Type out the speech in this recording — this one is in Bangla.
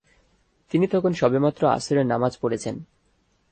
তিনি তখন সবেমাত্র আসরের নামায পড়েছেন।